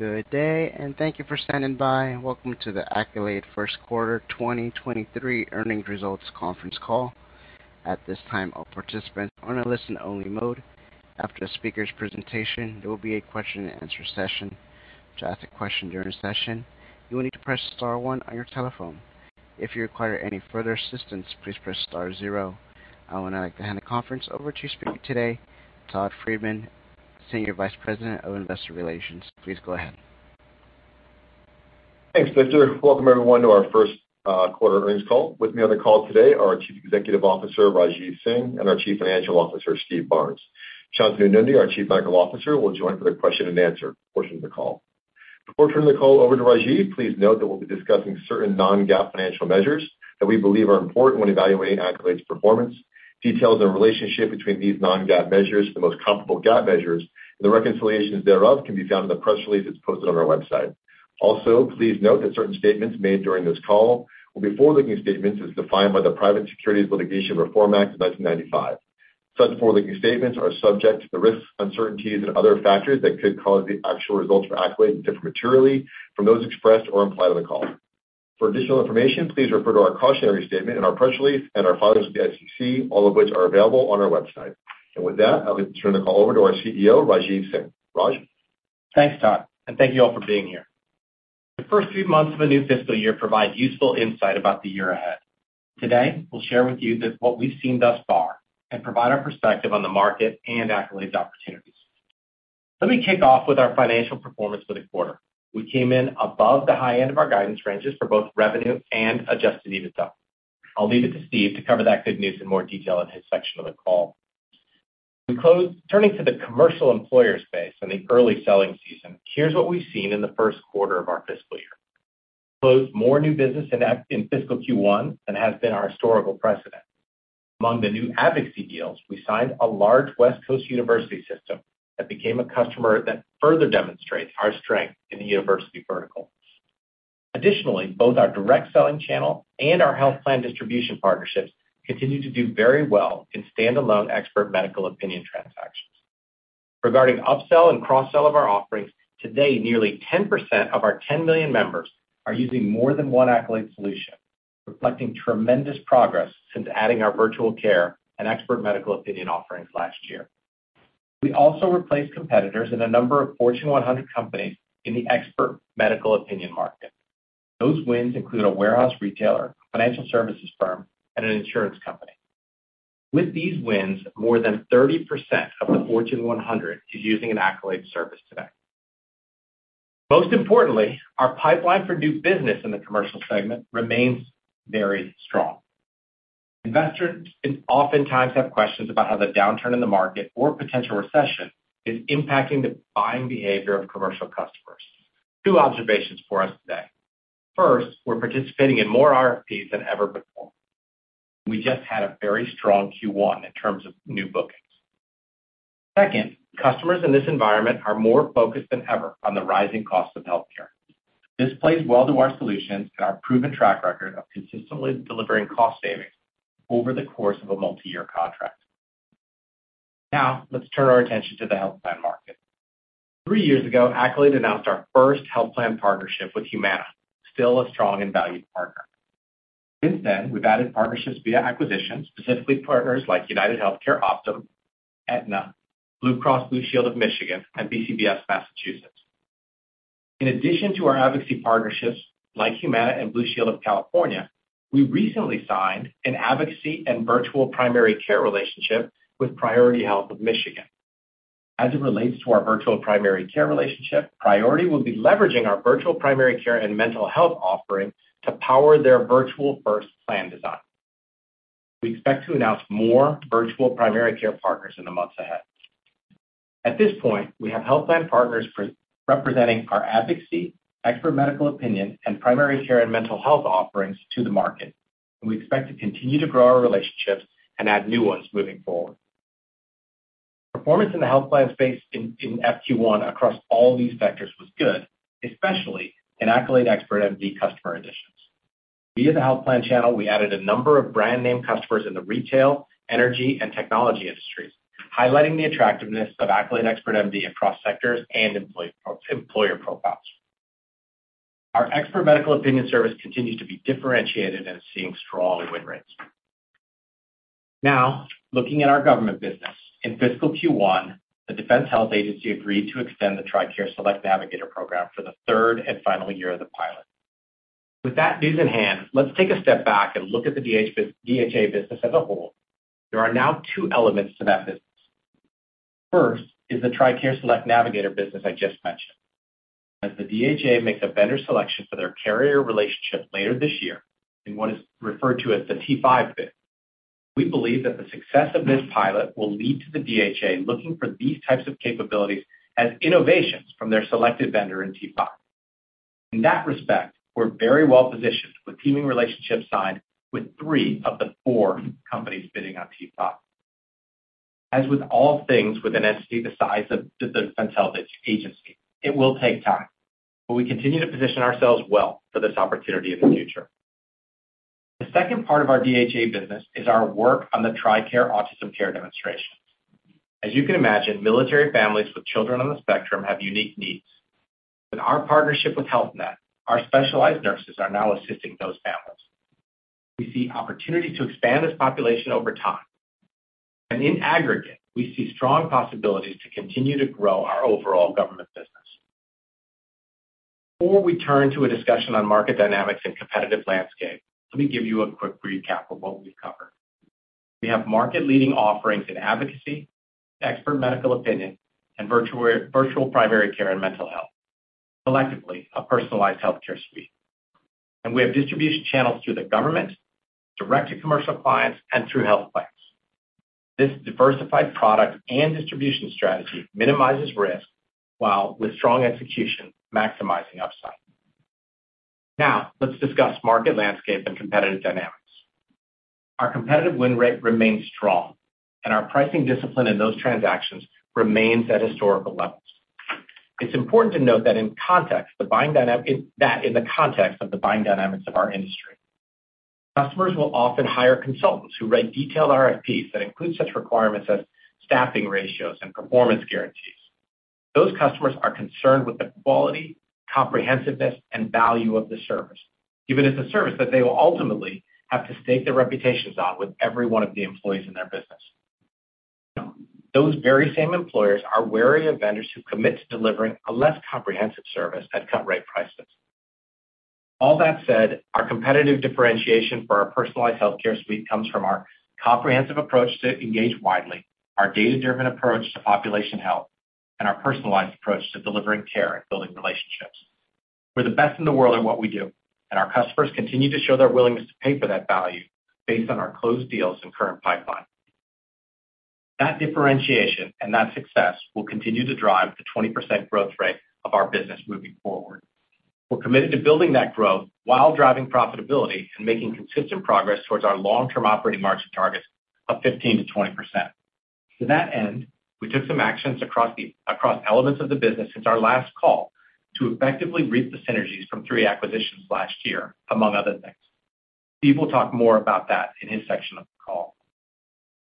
Good day, and thank you for standing by. Welcome to the Accolade first quarter 2023 earnings results conference call. At this time, all participants are in a listen only mode. After the speaker's presentation, there will be a question and answer session. To ask a question during the session, you will need to press star one on your telephone. If you require any further assistance, please press star zero. I would now like to hand the conference over to speaker today, Todd Friedman, Senior Vice President of Investor Relations. Please go ahead. Thanks, Victor. Welcome everyone to our first quarter earnings call. With me on the call today, our Chief Executive Officer, Rajeev Singh, and our Chief Financial Officer, Steve Barnes. Shantanu Nundy, our Chief Medical Officer, will join for the question and answer portion of the call. Before turning the call over to Rajeev, please note that we'll be discussing certain non-GAAP financial measures that we believe are important when evaluating Accolade's performance. Details and relationship between these non-GAAP measures, the most comparable GAAP measures, and the reconciliations thereof can be found in the press release that's posted on our website. Also, please note that certain statements made during this call will be forward-looking statements as defined by the Private Securities Litigation Reform Act of 1995. Such forward-looking statements are subject to the risks, uncertainties and other factors that could cause the actual results for Accolade to differ materially from those expressed or implied on the call. For additional information, please refer to our cautionary statement in our press release and our filings with the SEC, all of which are available on our website. With that, I'd like to turn the call over to our CEO, Rajeev Singh. Raj? Thanks, Todd, and thank you all for being here. The first few months of a new fiscal year provide useful insight about the year ahead. Today, we'll share with you this, what we've seen thus far and provide our perspective on the market and Accolade opportunities. Let me kick off with our financial performance for the quarter. We came in above the high end of our guidance ranges for both revenue and Adjusted EBITDA. I'll leave it to Steve to cover that good news in more detail in his section of the call. Turning to the commercial employer space in the early selling season, here's what we've seen in the first quarter of our fiscal year. Closed more new business in fiscal Q1 than has been our historical precedent. Among the new advocacy deals, we signed a large West Coast University system that became a customer that further demonstrates our strength in the university vertical. Additionally, both our direct selling channel and our health plan distribution partnerships continue to do very well in stand-alone expert medical opinion transactions. Regarding upsell and cross-sell of our offerings, today nearly 10% of our 10 million members are using more than one Accolade solution, reflecting tremendous progress since adding our virtual care and expert medical opinion offerings last year. We also replaced competitors in a number of Fortune 100 companies in the expert medical opinion market. Those wins include a warehouse retailer, financial services firm, and an insurance company. With these wins, more than 30% of the Fortune 100 is using an Accolade service today. Most importantly, our pipeline for new business in the commercial segment remains very strong. Investors can oftentimes have questions about how the downturn in the market or potential recession is impacting the buying behavior of commercial customers. Two observations for us today. First, we're participating in more RFPs than ever before. We just had a very strong Q1 in terms of new bookings. Second, customers in this environment are more focused than ever on the rising cost of healthcare. This plays well to our solutions and our proven track record of consistently delivering cost savings over the course of a multi-year contract. Now, let's turn our attention to the health plan market. Three years ago, Accolade announced our first health plan partnership with Humana, still a strong and valued partner. Since then, we've added partnerships via acquisitions, specifically partners like UnitedHealthcare, Optum, Aetna, Blue Cross Blue Shield of Michigan, and BCBS Massachusetts. In addition to our advocacy partnerships like Humana and Blue Shield of California, we recently signed an advocacy and virtual primary care relationship with Priority Health of Michigan. As it relates to our virtual primary care relationship, Priority will be leveraging our virtual primary care and mental health offering to power their virtual first plan design. We expect to announce more virtual primary care partners in the months ahead. At this point, we have health plan partners presenting our advocacy, expert medical opinion, and primary care & mental health offerings to the market, and we expect to continue to grow our relationships and add new ones moving forward. Performance in the health plan space in FY Q1 across all these vectors was good, especially in Accolade ExpertMD customer additions. Via the health plan channel, we added a number of brand name customers in the retail, energy and technology industries, highlighting the attractiveness of Accolade ExpertMD across sectors and employer profiles. Our expert medical opinion service continues to be differentiated and seeing strong win rates. Now, looking at our government business. In fiscal Q1, the Defense Health Agency agreed to extend the TRICARE Select Navigator program for the third and final year of the pilot. With that news in hand, let's take a step back and look at the DHA business as a whole. There are now two elements to that business. First is the TRICARE Select Navigator business I just mentioned. As the DHA makes a vendor selection for their carrier relationship later this year in what is referred to as the T5 bid, we believe that the success of this pilot will lead to the DHA looking for these types of capabilities as innovations from their selected vendor in T5. In that respect, we're very well positioned with teaming relationships signed with three of the four companies bidding on T5. As with all things with an entity the size of Defense Health Agency, it will take time, but we continue to position ourselves well for this opportunity in the future. The second part of our DHA business is our work on the TRICARE Autism Care Demonstration. As you can imagine, military families with children on the spectrum have unique needs. With our partnership with Health Net, our specialized nurses are now assisting those families. We see opportunity to expand this population over time. In aggregate, we see strong possibilities to continue to grow our overall government business. Before we turn to a discussion on market dynamics and competitive landscape, let me give you a quick recap of what we've covered. We have market-leading offerings in advocacy, expert medical opinion, and virtual primary care and mental health. Collectively, a personalized healthcare suite. We have distribution channels through the government, direct to commercial clients, and through health plans. This diversified product and distribution strategy minimizes risk, while with strong execution, maximizing upside. Now, let's discuss market landscape and competitive dynamics. Our competitive win rate remains strong, and our pricing discipline in those transactions remains at historical levels. It's important to note that, in context, the buying dynamics of our industry. Customers will often hire consultants who write detailed RFPs that include such requirements as staffing ratios and performance guarantees. Those customers are concerned with the quality, comprehensiveness, and value of the service, given it's a service that they will ultimately have to stake their reputations on with every one of the employees in their business. Those very same employers are wary of vendors who commit to delivering a less comprehensive service at cut-rate prices. All that said, our competitive differentiation for our personalized healthcare suite comes from our comprehensive approach to engage widely, our data-driven approach to population health, and our personalized approach to delivering care and building relationships. We're the best in the world at what we do, and our customers continue to show their willingness to pay for that value based on our closed deals and current pipeline. That differentiation and that success will continue to drive the 20% growth rate of our business moving forward. We're committed to building that growth while driving profitability and making consistent progress towards our long-term operating margin targets of 15%-20%. To that end, we took some actions across elements of the business since our last call to effectively reap the synergies from three acquisitions last year, among other things. Steve will talk more about that in his section of the call.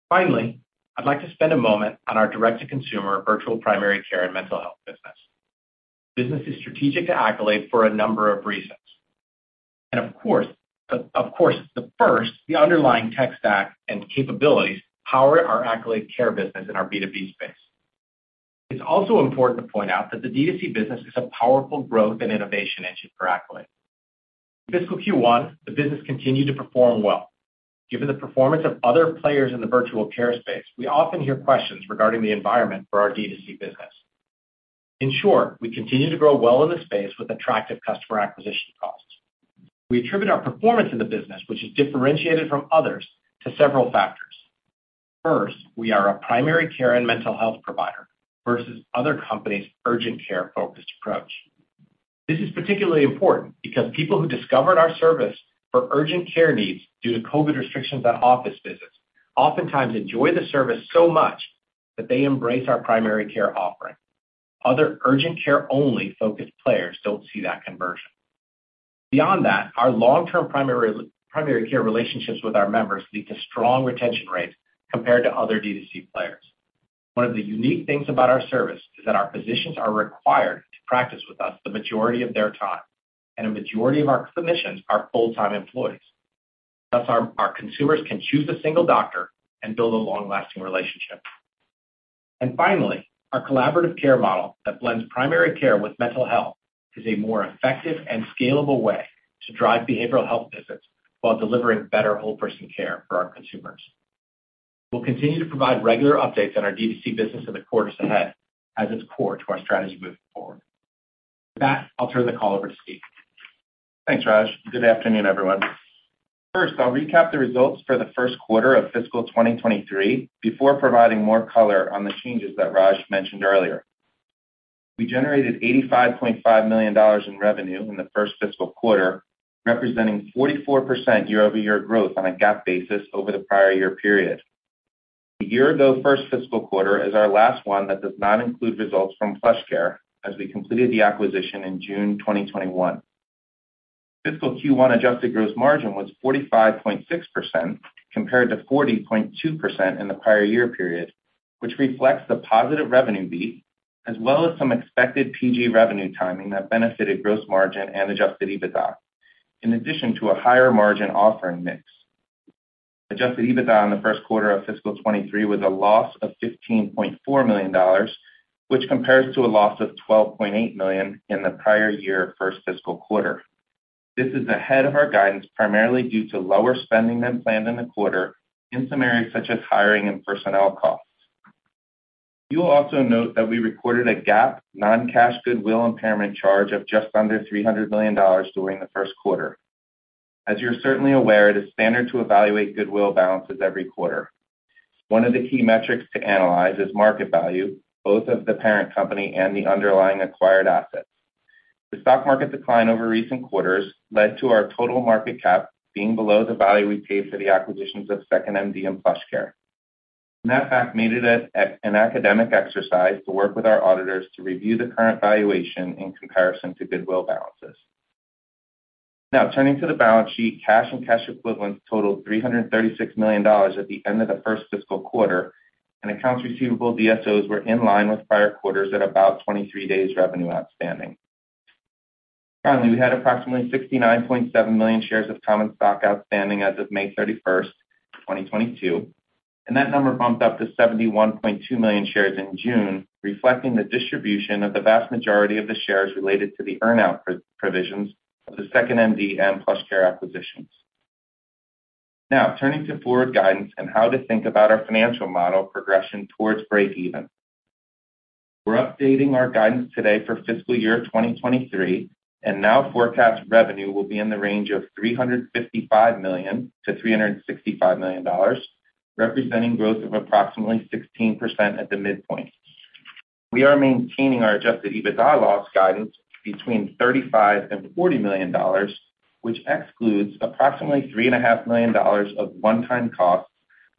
Finally, I'd like to spend a moment on our direct-to-consumer virtual primary care and mental health business. Business is strategic to Accolade for a number of reasons. Of course, the underlying tech stack and capabilities power our Accolade Care business in our B2B space. It's also important to point out that the D2C business is a powerful growth and innovation engine for Accolade. In fiscal Q1, the business continued to perform well. Given the performance of other players in the virtual care space, we often hear questions regarding the environment for our D2C business. In short, we continue to grow well in the space with attractive customer acquisition costs. We attribute our performance in the business, which is differentiated from others, to several factors. First, we are a primary care and mental health provider versus other companies' urgent care-focused approach. This is particularly important because people who discovered our service for urgent care needs due to COVID restrictions on office visits oftentimes enjoy the service so much that they embrace our primary care offering. Other urgent care only focused players don't see that conversion. Beyond that, our long-term primary care relationships with our members lead to strong retention rates compared to other D2C players. One of the unique things about our service is that our physicians are required to practice with us the majority of their time, and a majority of our physicians are full-time employees. Thus, our consumers can choose a single doctor and build a long-lasting relationship. Finally, our collaborative care model that blends primary care with mental health is a more effective and scalable way to drive behavioral health visits while delivering better whole-person care for our consumers. We'll continue to provide regular updates on our D2C business in the quarters ahead as it's core to our strategy moving forward. With that, I'll turn the call over to Steve. Thanks, Raj. Good afternoon, everyone. First, I'll recap the results for the first quarter of fiscal 2023 before providing more color on the changes that Raj mentioned earlier. We generated $85.5 million in revenue in the first fiscal quarter, representing 44% year-over-year growth on a GAAP basis over the prior year period. The year-ago first fiscal quarter is our last one that does not include results from PlushCare as we completed the acquisition in June 2021. Fiscal Q1 adjusted gross margin was 45.6% compared to 40.2% in the prior year period, which reflects the positive revenue beat as well as some expected PG revenue timing that benefited gross margin and Adjusted EBITDA, in addition to a higher margin offering mix. Adjusted EBITDA in the first quarter of fiscal 2023 was a loss of $15.4 million, which compares to a loss of $12.8 million in the prior year first fiscal quarter. This is ahead of our guidance, primarily due to lower spending than planned in the quarter in some areas such as hiring and personnel costs. You will also note that we recorded a GAAP non-cash goodwill impairment charge of just under $300 million during the first quarter. As you're certainly aware, it is standard to evaluate goodwill balances every quarter. One of the key metrics to analyze is market value, both of the parent company and the underlying acquired assets. The stock market decline over recent quarters led to our total market cap being below the value we paid for the acquisitions of 2nd.MD and PlushCare. That fact made it an academic exercise to work with our auditors to review the current valuation in comparison to goodwill balances. Now turning to the balance sheet, cash and cash equivalents totaled $336 million at the end of the first fiscal quarter, and accounts receivable DSOs were in line with prior quarters at about 23 days revenue outstanding. Finally, we had approximately 69.7 million shares of common stock outstanding as of May 31, 2022, and that number bumped up to 71.2 million shares in June, reflecting the distribution of the vast majority of the shares related to the earn-out provisions of the 2nd.MD and PlushCare acquisitions. Now turning to forward guidance and how to think about our financial model progression towards breakeven. We're updating our guidance today for fiscal year 2023, and now forecast revenue will be in the range of $355 million-$365 million, representing growth of approximately 16% at the midpoint. We are maintaining our Adjusted EBITDA loss guidance between $35-$40 million, which excludes approximately $3.5 million of one-time costs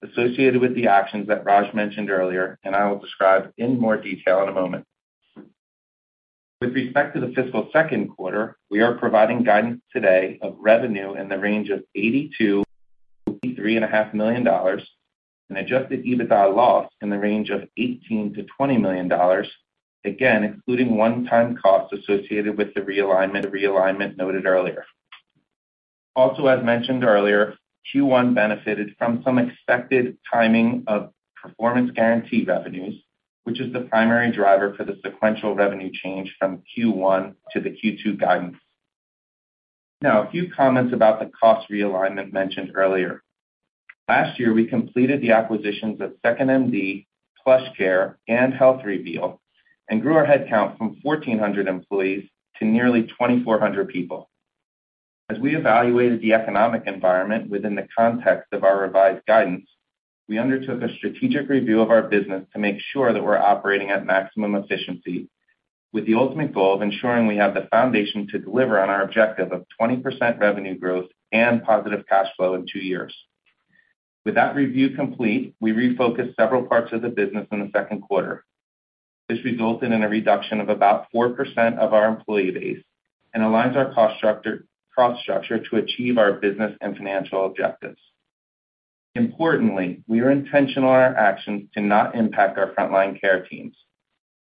associated with the actions that Raj mentioned earlier, and I will describe in more detail in a moment. With respect to the fiscal second quarter, we are providing guidance today of revenue in the range of $82 million-$83.5 million and Adjusted EBITDA loss in the range of $18 million-$20 million, again, including one-time costs associated with the realignment noted earlier. Also, as mentioned earlier, Q1 benefited from some expected timing of performance guarantee revenues, which is the primary driver for the sequential revenue change from Q1 to the Q2 guidance. Now, a few comments about the cost realignment mentioned earlier. Last year, we completed the acquisitions of 2nd.MD, PlushCare, and HealthReveal, and grew our head count from 1,400 employees to nearly 2,400 people. As we evaluated the economic environment within the context of our revised guidance, we undertook a strategic review of our business to make sure that we're operating at maximum efficiency with the ultimate goal of ensuring we have the foundation to deliver on our objective of 20% revenue growth and positive cash flow in two years. With that review complete, we refocused several parts of the business in the second quarter. This resulted in a reduction of about 4% of our employee base and aligns our cost structure to achieve our business and financial objectives. Importantly, we are intentional in our actions to not impact our frontline care teams.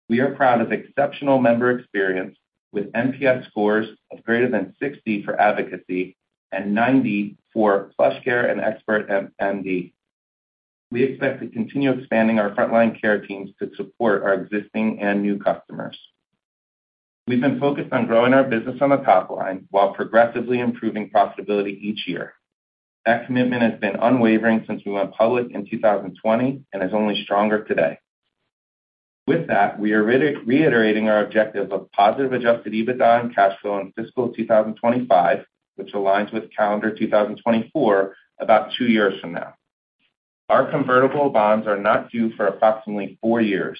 We are proud of exceptional member experience with NPS scores of greater than 60 for advocacy and 90 for PlushCare and ExpertMD. We expect to continue expanding our frontline care teams to support our existing and new customers. We've been focused on growing our business on the top line while progressively improving profitability each year. That commitment has been unwavering since we went public in 2020 and is only stronger today. With that, we are reiterating our objective of positive Adjusted EBITDA and cash flow in fiscal 2025, which aligns with calendar 2024 about two years from now. Our convertible bonds are not due for approximately four years.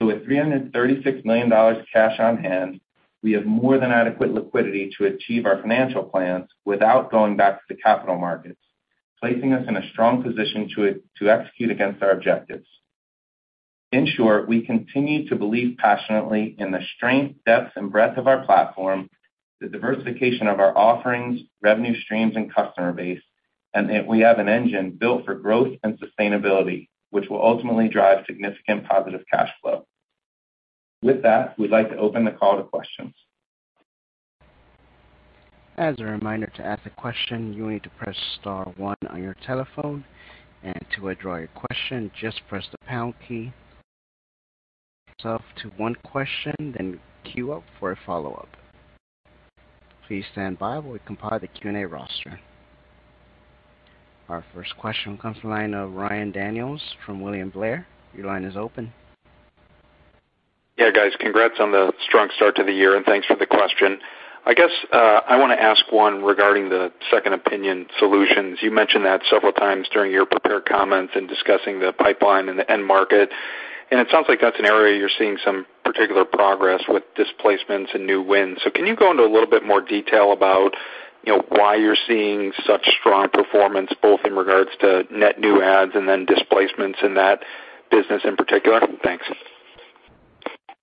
With $336 million cash on hand, we have more than adequate liquidity to achieve our financial plans without going back to the capital markets, placing us in a strong position to execute against our objectives. In short, we continue to believe passionately in the strength, depth, and breadth of our platform, the diversification of our offerings, revenue streams, and customer base, and that we have an engine built for growth and sustainability, which will ultimately drive significant positive cash flow. With that, we'd like to open the call to questions. As a reminder to ask a question, you'll need to press star one on your telephone, and to withdraw your question, just press the pound key. Limit yourself to one question, then queue up for a follow-up. Please stand by while we compile the Q&A roster. Our first question comes from the line of Ryan Daniels from William Blair. Your line is open. Yeah, guys, congrats on the strong start to the year, and thanks for the question. I guess, I wanna ask one regarding the second opinion solutions. You mentioned that several times during your prepared comments in discussing the pipeline and the end market, and it sounds like that's an area you're seeing some particular progress with displacements and new wins. Can you go into a little bit more detail about, you know, why you're seeing such strong performance both in regards to net new adds and then displacements in that business in particular? Thanks.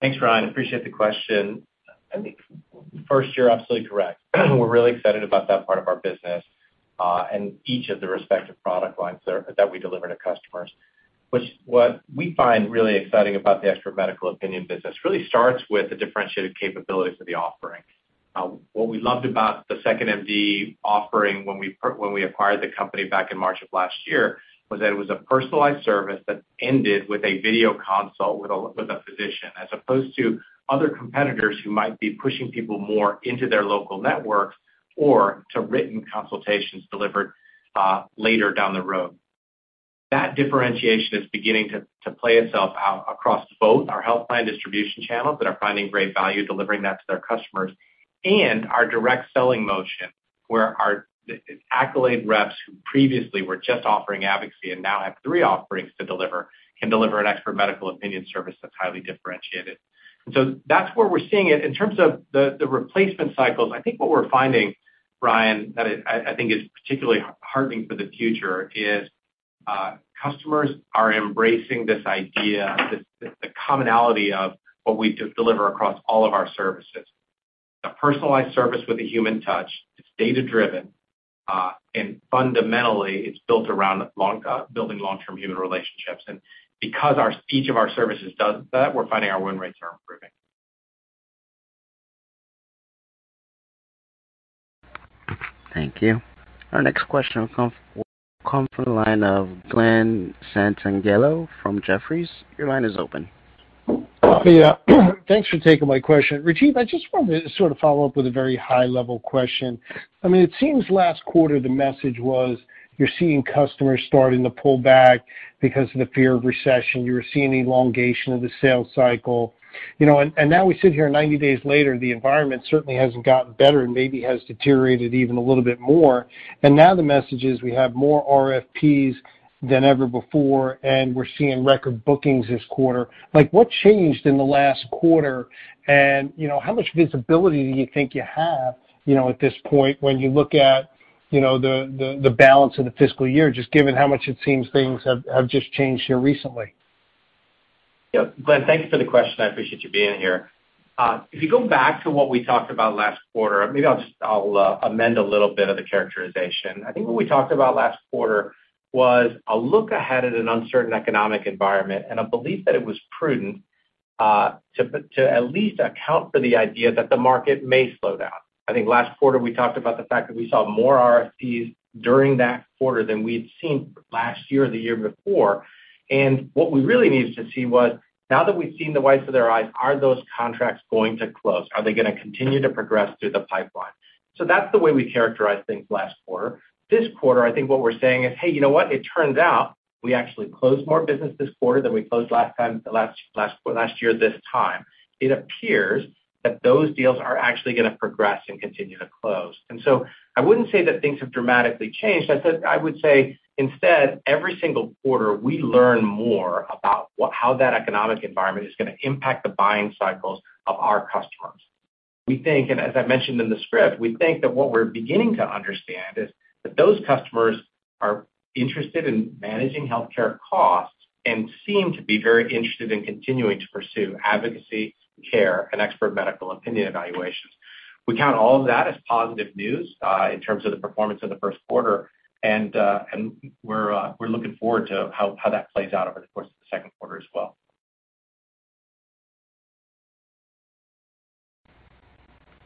Thanks, Ryan. Appreciate the question. I think first, you're absolutely correct. We're really excited about that part of our business and each of the respective product lines that we deliver to customers, which what we find really exciting about the expert medical opinion business really starts with the differentiated capabilities of the offering. What we loved about the 2nd.MD offering when we acquired the company back in March of last year was that it was a personalized service that ended with a video consult with a physician, as opposed to other competitors who might be pushing people more into their local networks or to written consultations delivered later down the road. That differentiation is beginning to play itself out across both our health plan distribution channels that are finding great value delivering that to their customers and our direct selling motion, where our Accolade reps who previously were just offering advocacy and now have three offerings to deliver, can deliver an expert medical opinion service that's highly differentiated. That's where we're seeing it. In terms of the replacement cycles, I think what we're finding Ryan, that I think is particularly heartening for the future is customers are embracing this idea, the commonality of what we just deliver across all of our services. A personalized service with a human touch, it's data-driven, and fundamentally, it's built around building long-term human relationships. Because each of our services does that, we're finding our win rates are improving. Thank you. Our next question will come from the line of Glenn Santangelo from Jefferies. Your line is open. Yeah. Thanks for taking my question. Rajeev, I just wanted to sort of follow up with a very high-level question. I mean, it seems last quarter the message was you're seeing customers starting to pull back because of the fear of recession. You were seeing elongation of the sales cycle, you know, and now we sit here 90 days later, the environment certainly hasn't gotten better and maybe has deteriorated even a little bit more. Now the message is we have more RFPs than ever before, and we're seeing record bookings this quarter. Like, what changed in the last quarter? You know, how much visibility do you think you have, you know, at this point when you look at, you know, the balance of the fiscal year, just given how much it seems things have just changed here recently? Yeah. Glenn, thank you for the question. I appreciate you being here. If you go back to what we talked about last quarter, maybe I'll just amend a little bit of the characterization. I think what we talked about last quarter was a look ahead at an uncertain economic environment and a belief that it was prudent to at least account for the idea that the market may slow down. I think last quarter, we talked about the fact that we saw more RFPs during that quarter than we'd seen last year or the year before. What we really needed to see was, now that we've seen the whites of their eyes, are those contracts going to close? Are they gonna continue to progress through the pipeline? That's the way we characterized things last quarter. This quarter, I think what we're saying is, "Hey, you know what? It turns out we actually closed more business this quarter than we closed last year this time." It appears that those deals are actually gonna progress and continue to close. I wouldn't say that things have dramatically changed. I would say instead, every single quarter, we learn more about how that economic environment is gonna impact the buying cycles of our customers. We think, and as I mentioned in the script, we think that what we're beginning to understand is that those customers are interested in managing healthcare costs and seem to be very interested in continuing to pursue advocacy, care, and expert medical opinion evaluations. We count all of that as positive news in terms of the performance of the first quarter. We're looking forward to how that plays out over the course of the second quarter as well.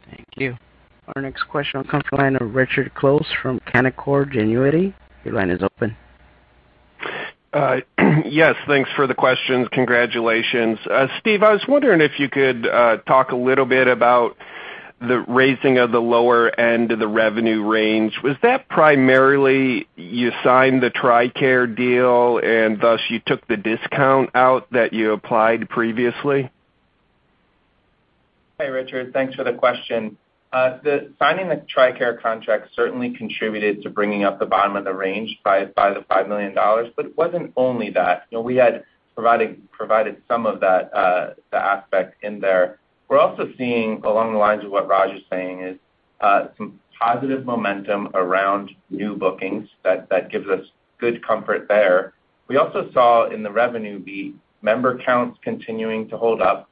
Thank you. Our next question will come from the line of Richard Close from Canaccord Genuity. Your line is open. Yes, thanks for the questions. Congratulations. Steve, I was wondering if you could talk a little bit about the raising of the lower end of the revenue range. Was that primarily because you signed the TRICARE deal, and thus you took the discount out that you applied previously? Hey, Richard. Thanks for the question. The signing the TRICARE contract certainly contributed to bringing up the bottom of the range by $5 million, but it wasn't only that. You know, we had provided some of that aspect in there. We're also seeing along the lines of what Raj is saying is some positive momentum around new bookings that gives us good comfort there. We also saw in the revenue beat member counts continuing to hold up,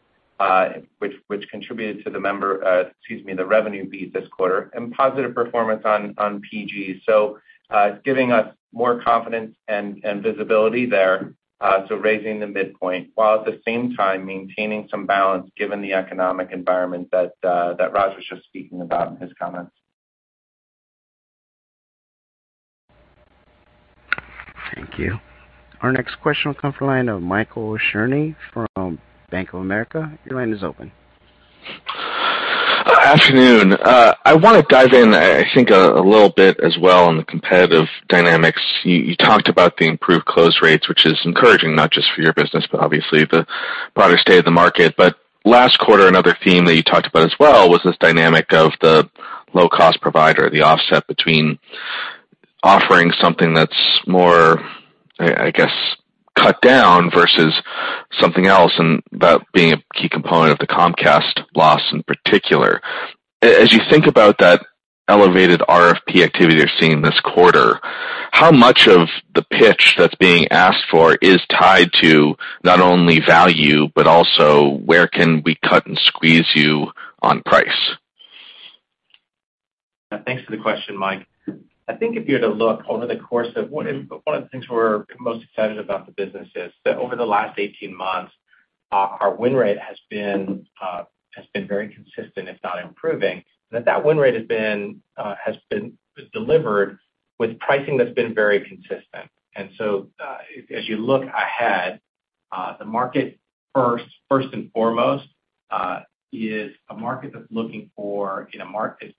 which contributed to the revenue beat this quarter and positive performance on PG. So, it's giving us more confidence and visibility there, so raising the midpoint, while at the same time maintaining some balance given the economic environment that Raj was just speaking about in his comments. Thank you. Our next question will come from the line of Michael Cherny from Bank of America. Your line is open. Afternoon. I wanna dive in, I think a little bit as well on the competitive dynamics. You talked about the improved close rates, which is encouraging, not just for your business, but obviously the broader state of the market. Last quarter, another theme that you talked about as well was this dynamic of the low-cost provider, the offset between offering something that's more, I guess, cut down versus something else, and that being a key component of the Comcast loss in particular. As you think about that elevated RFP activity you're seeing this quarter, how much of the pitch that's being asked for is tied to not only value, but also where can we cut and squeeze you on price? Thanks for the question, Mike. I think if you're to look over the course of what is one of the things we're most excited about the business is that over the last 18 months, our win rate has been very consistent, if not improving. That win rate has been delivered with pricing that's been very consistent. As you look ahead, the market first and foremost is a market that's looking for, in a market,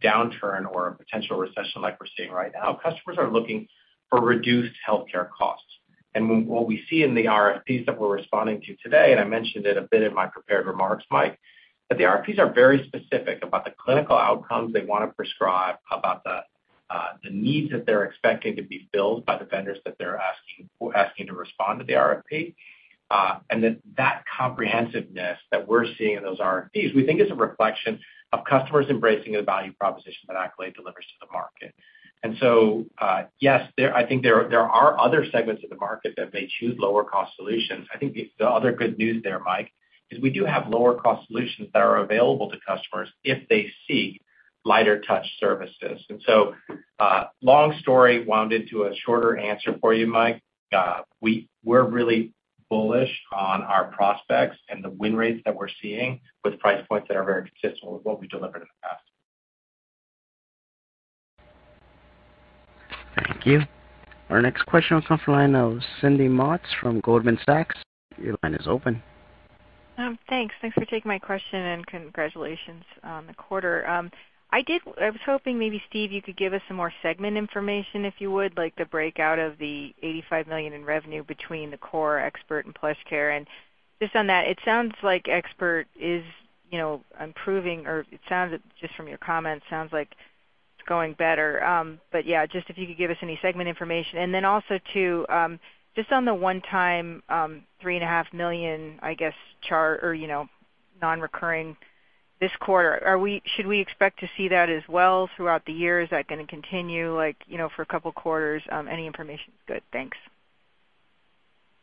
particularly in a downturn or a potential recession like we're seeing right now, customers are looking for reduced healthcare costs. What we see in the RFPs that we're responding to today, and I mentioned it a bit in my prepared remarks, Mike, that the RFPs are very specific about the clinical outcomes they wanna prescribe about the The needs that they're expecting to be filled by the vendors that they're asking to respond to the RFP. That comprehensiveness that we're seeing in those RFPs, we think is a reflection of customers embracing the value proposition that Accolade delivers to the market. Yes, I think there are other segments of the market that may choose lower cost solutions. I think the other good news there, Mike, is we do have lower cost solutions that are available to customers if they seek lighter touch services. Long story wound into a shorter answer for you, Mike. We're really bullish on our prospects and the win rates that we're seeing with price points that are very consistent with what we delivered in the past. Thank you. Our next question will come from the line of Cindy Motz from Goldman Sachs. Your line is open. Thanks for taking my question and congratulations on the quarter. I was hoping maybe, Steve, you could give us some more segment information, if you would, like the breakout of the $85 million in revenue between the core Expert and PlushCare. Just on that, it sounds like Expert is, you know, improving or it sounds just from your comments, sounds like it's going better. But yeah, just if you could give us any segment information. Then also, just on the one-time $3.5 million, I guess, charge or, you know, non-recurring this quarter. Should we expect to see that as well throughout the year? Is that gonna continue, like, you know, for a couple of quarters? Any information is good. Thanks.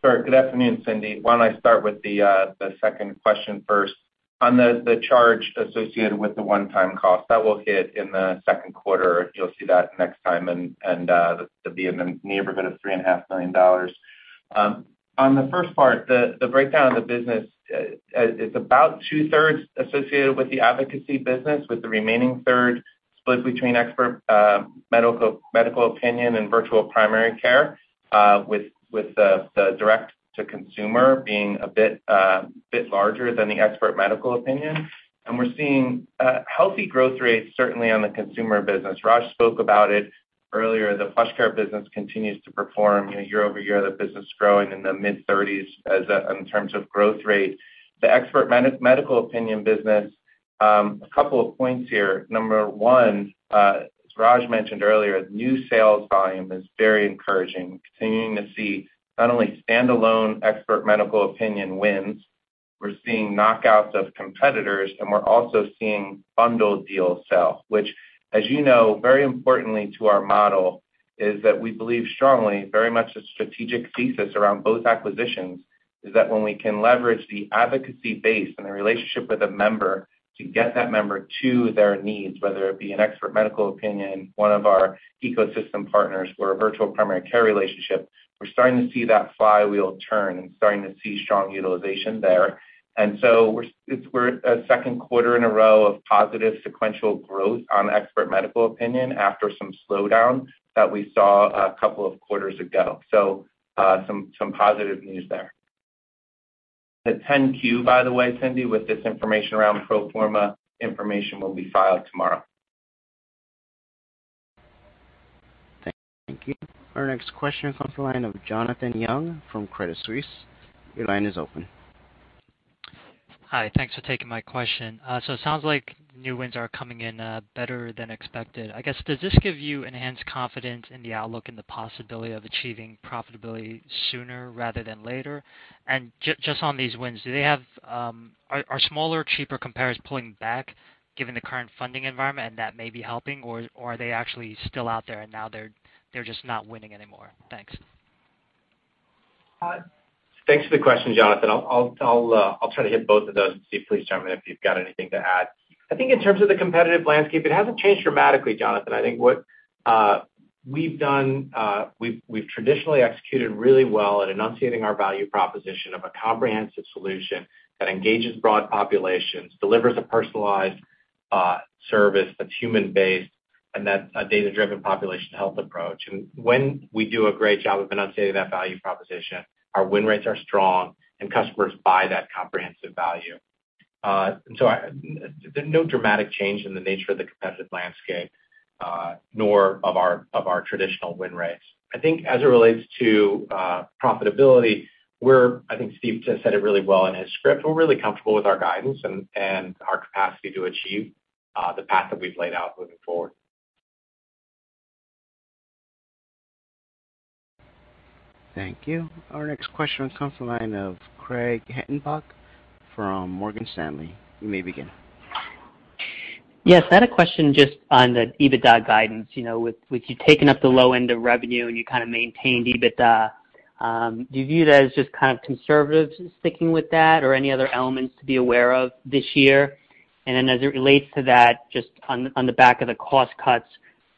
Sure. Good afternoon, Cindy. Why don't I start with the second question first. On the charge associated with the one-time cost, that will hit in the second quarter. You'll see that next time, and it'll be in the neighborhood of $3.5 million. On the first part, the breakdown of the business is about 2/3 associated with the advocacy business, with the remaining third split between Expert Medical Opinion and Virtual Primary Care, with the direct to consumer being a bit larger than the Expert Medical Opinion. We're seeing healthy growth rates, certainly on the consumer business. Raj spoke about it earlier. The PlushCare business continues to perform year-over-year, the business growing in the mid-30s% in terms of growth rate. The Expert Medical Opinion business, a couple of points here. Number one, as Raj mentioned earlier, the new sales volume is very encouraging. Continuing to see not only standalone Expert Medical Opinion wins, we're seeing knockouts of competitors, and we're also seeing bundled deals sell, which as you know, very importantly to our model is that we believe strongly very much the strategic thesis around both acquisitions is that when we can leverage the advocacy base and the relationship with a member to get that member to their needs, whether it be an Expert Medical Opinion, one of our Ecosystem Partners or a Virtual Primary Care relationship, we're starting to see that flywheel turn and starting to see strong utilization there. We're a second quarter in a row of positive sequential growth on Expert MD after some slowdowns that we saw a couple of quarters ago. Some positive news there. The 10-Q, by the way, Cindy, with this information around pro forma information will be filed tomorrow. Thank you. Our next question comes from the line of Jonathan Yong from Credit Suisse. Your line is open. Hi. Thanks for taking my question. So it sounds like new wins are coming in better than expected. I guess, does this give you enhanced confidence in the outlook and the possibility of achieving profitability sooner rather than later? Just on these wins, are smaller, cheaper compares pulling back given the current funding environment and that may be helping, or are they actually still out there and now they're just not winning anymore? Thanks. Thanks for the question, Jonathan. I'll try to hit both of those, Steve, please chime in if you've got anything to add. I think in terms of the competitive landscape, it hasn't changed dramatically, Jonathan. I think we've traditionally executed really well at enunciating our value proposition of a comprehensive solution that engages broad populations, delivers a personalized service that's human based and that's a data-driven population health approach. When we do a great job of enunciating that value proposition, our win rates are strong and customers buy that comprehensive value. There's no dramatic change in the nature of the competitive landscape, nor of our traditional win rates. I think as it relates to profitability, we're—I think Steve just said it really well in his script. We're really comfortable with our guidance and our capacity to achieve the path that we've laid out moving forward. Thank you. Our next question comes from the line of Craig Hettenbach from Morgan Stanley. You may begin. Yes, I had a question just on the EBITDA guidance. You know, with you taking up the low end of revenue and you kinda maintained EBITDA, do you view that as just kind of conservative sticking with that or any other elements to be aware of this year? As it relates to that, just on the back of the cost cuts,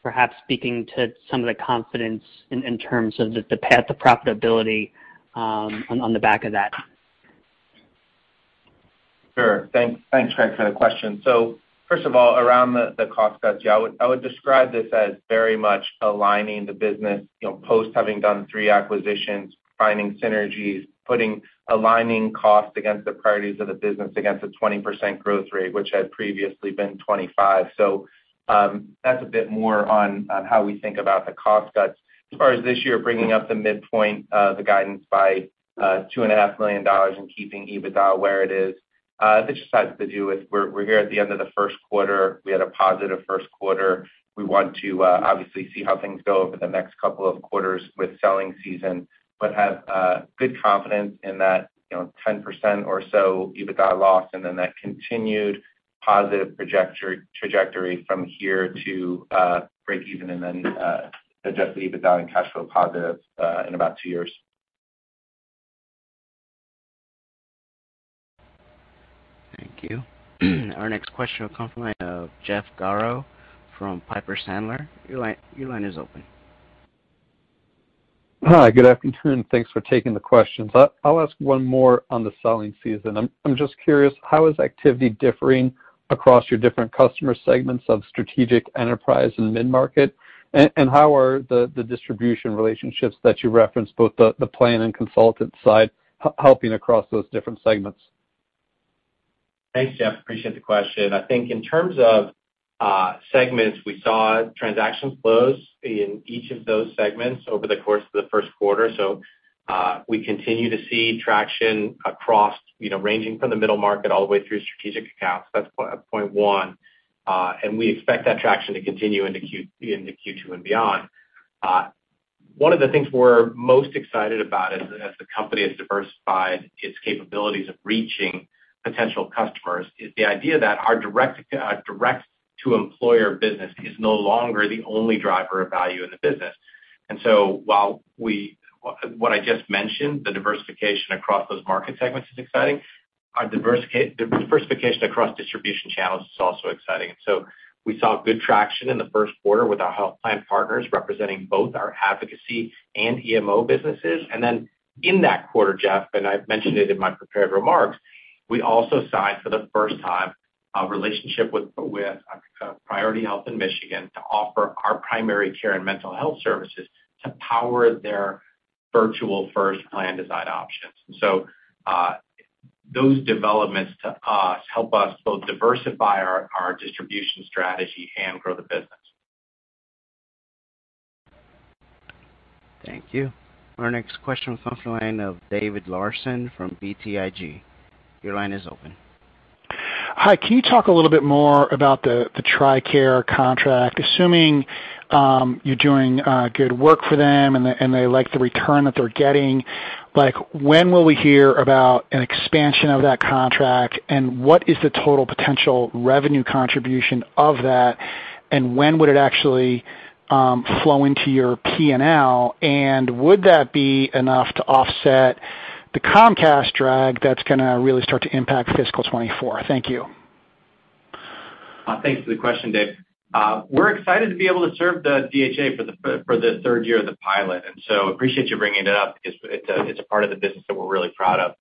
perhaps speaking to some of the confidence in terms of the path to profitability, on the back of that. Sure. Thanks. Thanks, Craig, for the question. First of all, around the cost cuts, yeah, I would describe this as very much aligning the business, you know, post having done three acquisitions, finding synergies, putting aligning cost against the priorities of the business against a 20% growth rate, which had previously been 25%. That's a bit more on how we think about the cost cuts. As far as this year, bringing up the midpoint of the guidance by $2.5 million and keeping EBITDA where it is. This just has to do with we're here at the end of the first quarter. We had a positive first quarter. We want to obviously see how things go over the next couple of quarters with selling season, but have good confidence in that, you know, 10% or so EBITDA loss, and then that continued positive trajectory from here to breakeven, and then Adjusted EBITDA and cash flow positive in about two years. Thank you. Our next question will come from the line of Jeff Garro from Piper Sandler. Your line is open. Hi, good afternoon, and thanks for taking the questions. I'll ask one more on the selling season. I'm just curious, how is activity differing across your different customer segments of strategic enterprise and mid-market? And how are the distribution relationships that you referenced, both the plan and consultant side helping across those different segments? Thanks, Jeff. Appreciate the question. I think in terms of segments, we saw transactions close in each of those segments over the course of the first quarter. We continue to see traction across, you know, ranging from the middle market all the way through strategic accounts. That's point one. We expect that traction to continue into Q2 and beyond. One of the things we're most excited about as the company has diversified its capabilities of reaching potential customers is the idea that our direct to employer business is no longer the only driver of value in the business. What I just mentioned, the diversification across those market segments is exciting, our diversification across distribution channels is also exciting. We saw good traction in the first quarter with our health plan partners, representing both our advocacy and EMO businesses. In that quarter, Jeff, and I've mentioned it in my prepared remarks, we also signed for the first time a relationship with Priority Health in Michigan to offer our Primary Care and Mental Health Services to power their virtual first plan design options. Those developments to us help us both diversify our distribution strategy and grow the business. Thank you. Our next question comes from the line of David Larsen from BTIG. Your line is open. Hi, can you talk a little bit more about the TRICARE contract? Assuming you're doing good work for them and they like the return that they're getting, like, when will we hear about an expansion of that contract, and what is the total potential revenue contribution of that, and when would it actually flow into your P&L? Would that be enough to offset the Comcast drag that's gonna really start to impact fiscal 2024? Thank you. Thanks for the question, Dave. We're excited to be able to serve the DHA for the third year of the pilot, and so appreciate you bringing it up because it's a part of the business that we're really proud of.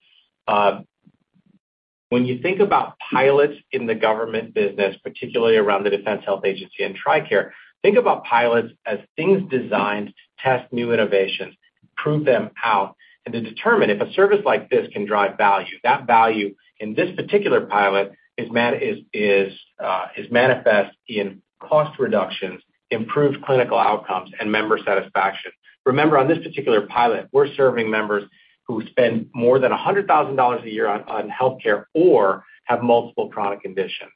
When you think about pilots in the government business, particularly around the Defense Health Agency and TRICARE, think about pilots as things designed to test new innovations, prove them out, and to determine if a service like this can drive value. That value in this particular pilot is manifest in cost reductions, improved clinical outcomes, and member satisfaction. Remember, on this particular pilot, we're serving members who spend more than $100,000 a year on healthcare or have multiple chronic conditions.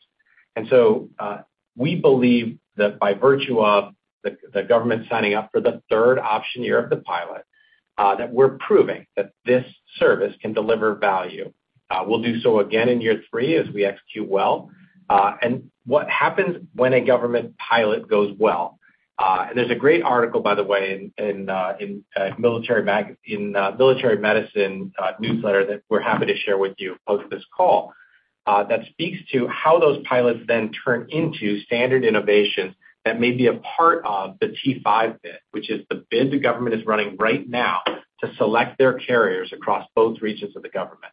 We believe that by virtue of the government signing up for the third option year of the pilot, that we're proving that this service can deliver value. We'll do so again in year three as we execute well. What happens when a government pilot goes well? There's a great article, by the way, in military medicine newsletter that we're happy to share with you post this call, that speaks to how those pilots then turn into standard innovations that may be a part of the T5 bid, which is the bid the government is running right now to select their carriers across both regions of the government.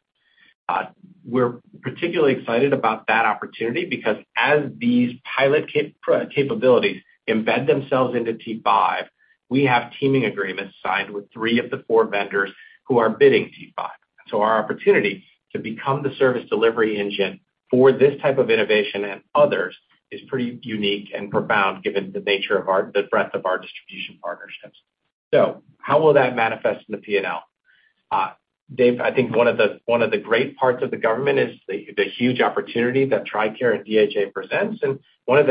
We're particularly excited about that opportunity because as these pilot capabilities embed themselves into T5, we have teaming agreements signed with three of the four vendors who are bidding T5. Our opportunity to become the service delivery engine for this type of innovation and others is pretty unique and profound given the nature of our, the breadth of our distribution partnerships. How will that manifest in the P&L? Dave, I think one of the great parts of the government is the huge opportunity that TRICARE and DHA presents. One of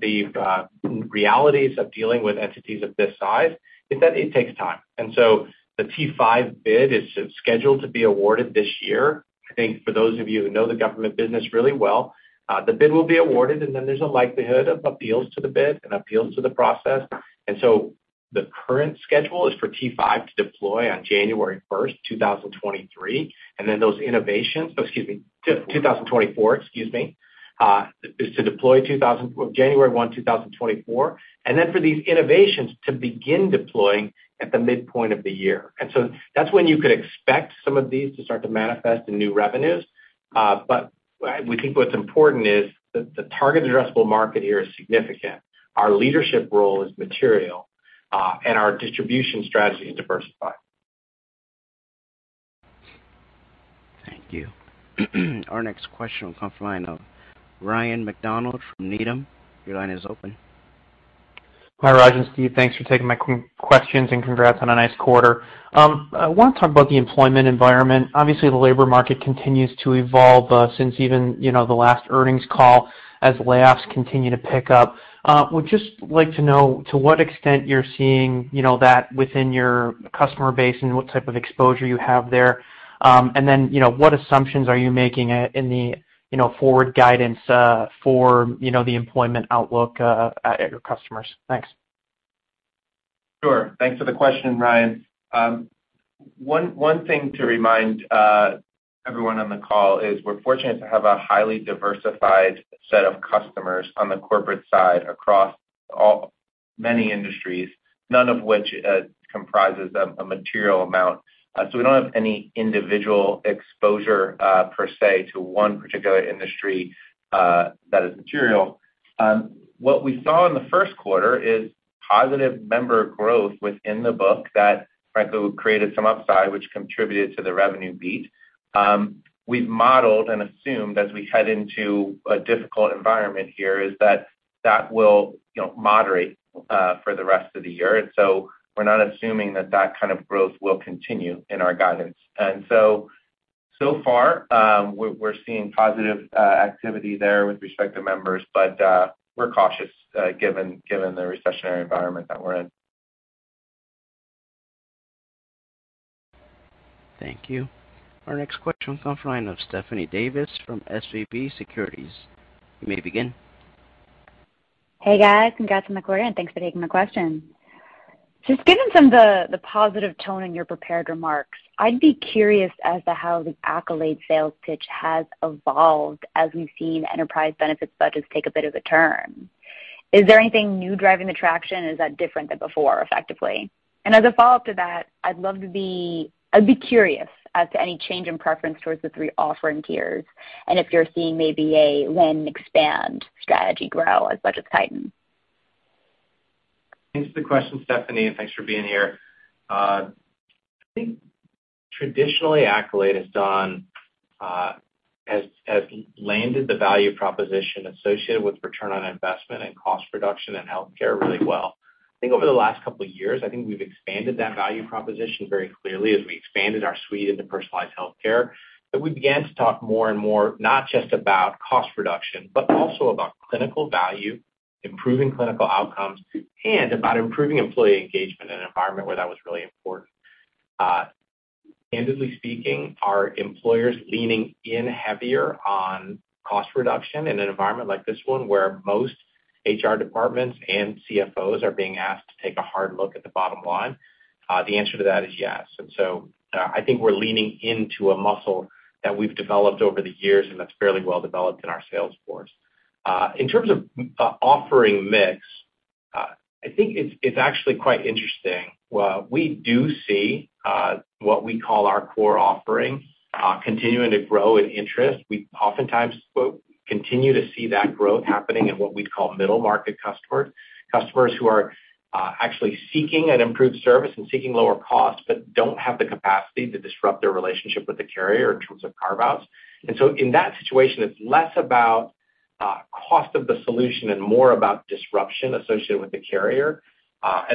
the realities of dealing with entities of this size is that it takes time. The T5 bid is scheduled to be awarded this year. I think for those of you who know the government business really well, the bid will be awarded, and then there's a likelihood of appeals to the bid and appeals to the process. The current schedule is for T5 to deploy on January 1, 2024, and then for these innovations to begin deploying at the midpoint of the year. That's when you could expect some of these to start to manifest in new revenues. We think what's important is that the target addressable market here is significant. Our leadership role is material, and our distribution strategy is diversified. Thank you. Our next question will come from the line of Ryan MacDonald from Needham. Your line is open. Hi, Raj and Steve. Thanks for taking my questions and congrats on a nice quarter. I want to talk about the employment environment. Obviously, the labor market continues to evolve since even the last earnings call as layoffs continue to pick up. Would just like to know to what extent you're seeing that within your customer base and what type of exposure you have there. And then what assumptions are you making in the forward guidance for the employment outlook at your customers? Thanks. Sure. Thanks for the question, Ryan. One thing to remind everyone on the call is we're fortunate to have a highly diversified set of customers on the corporate side across many industries, none of which comprises a material amount. So we don't have any individual exposure per se to one particular industry that is material. What we saw in the first quarter is positive member growth within the book that frankly created some upside which contributed to the revenue beat. We've modeled and assumed as we head into a difficult environment here is that that will you know moderate for the rest of the year. We're not assuming that kind of growth will continue in our guidance. So far, we're seeing positive activity there with respect to members, but we're cautious given the recessionary environment that we're in. Thank you. Our next question comes from the line of Stephanie Davis from SVB Securities. You may begin. Hey, guys. Congrats on the quarter, and thanks for taking my question. Just given some of the positive tone in your prepared remarks, I'd be curious as to how the Accolade sales pitch has evolved as we've seen enterprise benefits budgets take a bit of a turn. Is there anything new driving the traction? Is that different than before effectively? And as a follow-up to that, I'd be curious as to any change in preference towards the three offering tiers and if you're seeing maybe a win expand strategy grow as budgets tighten. Thanks for the question, Stephanie, and thanks for being here. I think traditionally, Accolade has landed the value proposition associated with return on investment and cost reduction in healthcare really well. I think over the last couple of years, I think we've expanded that value proposition very clearly as we expanded our suite into personalized healthcare. We began to talk more and more, not just about cost reduction, but also about clinical value, improving clinical outcomes, and about improving employee engagement in an environment where that was really important. Candidly speaking, are employers leaning in heavier on cost reduction in an environment like this one where most HR departments and CFOs are being asked to take a hard look at the bottom line? The answer to that is yes. I think we're leaning into a muscle that we've developed over the years, and that's fairly well developed in our sales force. In terms of offering mix, I think it's actually quite interesting. We do see what we call our core offering continuing to grow in interest. We oftentimes continue to see that growth happening in what we'd call middle market customers who are actually seeking an improved service and seeking lower costs but don't have the capacity to disrupt their relationship with the carrier in terms of carve-outs. In that situation, it's less about cost of the solution and more about disruption associated with the carrier. While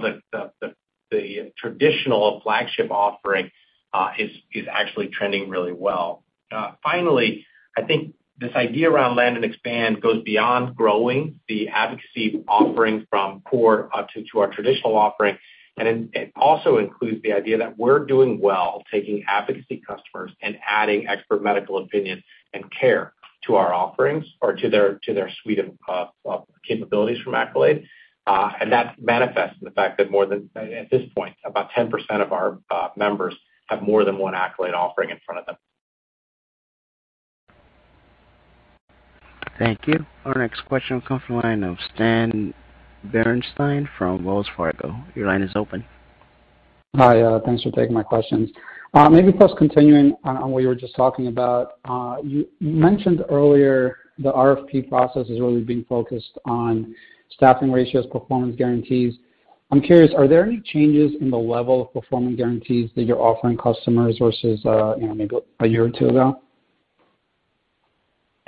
the traditional flagship offering is actually trending really well. Finally, I think this idea around land and expand goes beyond growing the advocacy offering from core to our traditional offering. It also includes the idea that we're doing well taking advocacy customers and adding expert medical opinion and care to our offerings or to their suite of capabilities from Accolade. That manifests in the fact that more than, at this point, about 10% of our members have more than one Accolade offering in front of them. Thank you. Our next question will come from the line of Stan Berenshteyn from Wells Fargo. Your line is open. Hi. Thanks for taking my questions. Maybe first continuing on what you were just talking about. You mentioned earlier the RFP process has really been focused on staffing ratios, performance guarantees. I'm curious, are there any changes in the level of performance guarantees that you're offering customers versus, you know, maybe a year or two ago?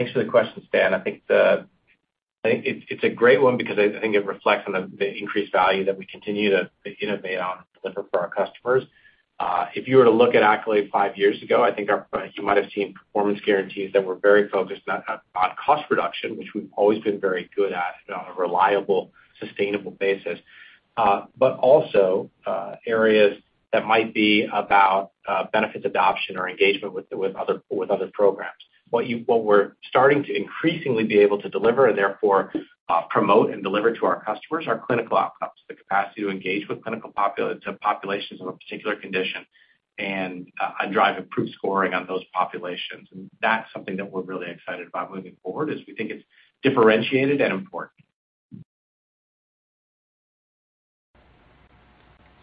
Thanks for the question, Stan. I think it's a great one because I think it reflects on the increased value that we continue to innovate on and deliver for our customers. If you were to look at Accolade five years ago, I think you might have seen performance guarantees that were very focused on cost reduction, which we've always been very good at on a reliable, sustainable basis. But also, areas that might be about benefits adoption or engagement with other programs. What we're starting to increasingly be able to deliver and therefore promote and deliver to our customers are clinical outcomes, the capacity to engage with clinical populations of a particular condition and drive improved scoring on those populations. That's something that we're really excited about moving forward as we think it's differentiated and important.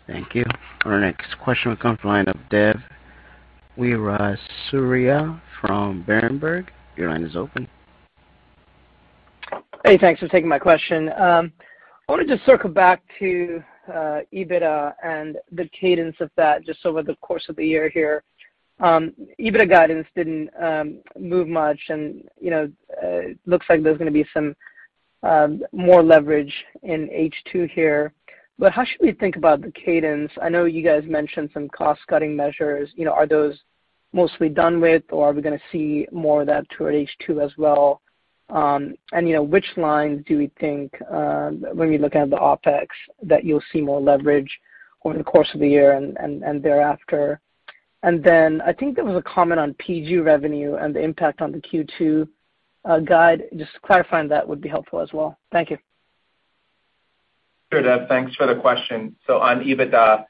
Thank you. Our next question will come from the line of Dev Weerasuriya from Berenberg. Your line is open. Hey, thanks for taking my question. I wanna just circle back to EBITDA and the cadence of that just over the course of the year here. EBITDA guidance didn't move much and, you know, looks like there's gonna be some more leverage in H2 here. How should we think about the cadence? I know you guys mentioned some cost-cutting measures. You know, are those mostly done with, or are we gonna see more of that toward H2 as well? And, you know, which lines do we think, when we look at the OpEx, that you'll see more leverage over the course of the year and thereafter? Then I think there was a comment on PG revenue and the impact on the Q2 guide. Just clarifying that would be helpful as well. Thank you. Sure, Dev. Thanks for the question. On EBITDA,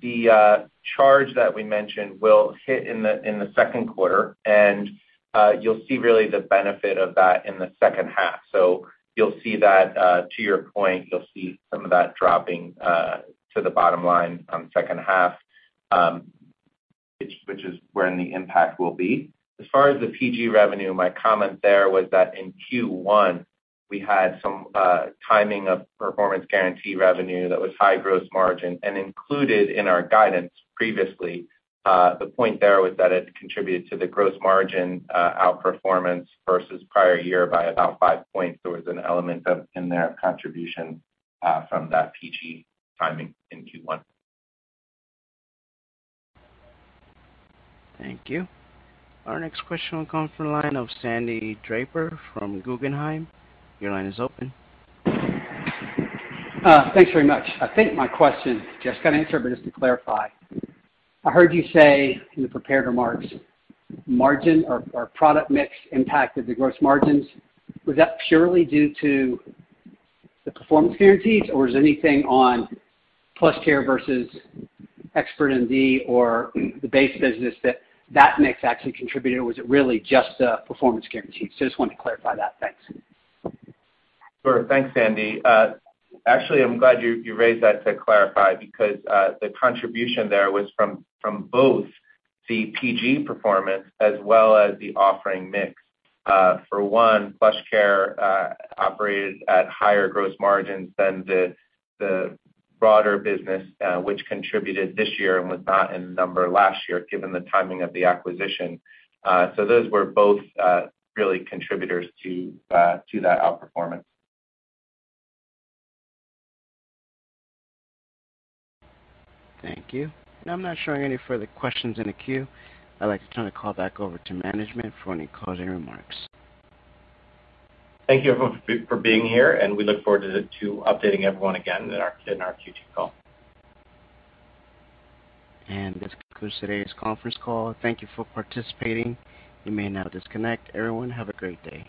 the charge that we mentioned will hit in the second quarter, and you'll see really the benefit of that in the second half. You'll see that, to your point, you'll see some of that dropping to the bottom line on the second half, which is when the impact will be. As far as the PG revenue, my comment there was that in Q1 we had some timing of performance guarantee revenue that was high gross margin and included in our guidance previously. The point there was that it contributed to the gross margin outperformance versus prior year by about five points. There was an element in there of contribution from that PG timing in Q1. Thank you. Our next question will come from the line of Sandy Draper from Guggenheim. Your line is open. Thanks very much. I think my question just got answered, but just to clarify. I heard you say in the prepared remarks margin or product mix impacted the gross margins. Was that purely due to the performance guarantees, or is anything on PlushCare versus ExpertMD or the base business that mix actually contributed, or was it really just the performance guarantees? Just wanted to clarify that. Thanks. Sure. Thanks, Sandy. Actually, I'm glad you raised that to clarify because the contribution there was from both the PG performance as well as the offering mix. For one, PlushCare operated at higher gross margins than the broader business, which contributed this year and was not in the number last year given the timing of the acquisition. Those were both really contributors to that outperformance. Thank you. I'm not showing any further questions in the queue. I'd like to turn the call back over to management for any closing remarks. Thank you everyone for being here, and we look forward to updating everyone again in our Q2 call. This concludes today's conference call. Thank you for participating. You may now disconnect. Everyone, have a great day.